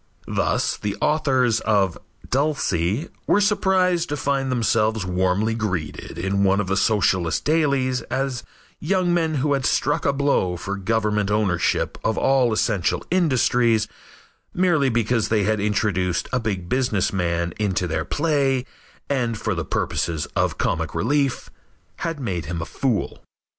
Thus, the authors of "Dulcy" were surprised to find themselves warmly greeted in one of the Socialist dailies as young men who had struck a blow for government ownership of all essential industries merely because they had introduced a big business man into their play and, for the purposes of comic relief, had made him a fool.